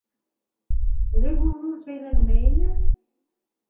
Элек ул нур шәйләнмәй ине.